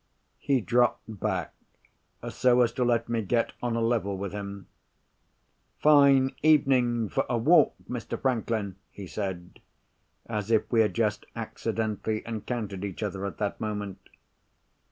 He dropped back, so as to let me get on a level with him. "Fine evening for a walk, Mr. Franklin," he said, as if we had just accidentally encountered each other at that moment.